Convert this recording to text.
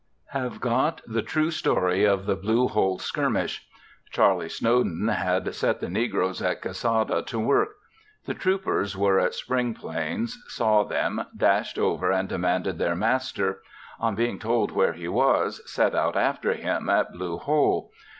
Have got the true story of the Blue Hole skirmish. Charlie Snowden had set the negroes at Cassawda to work. The troopers were at Springplains; saw them, dashed over and demanded their master. On being told where he was, set out after him at Blue Hole.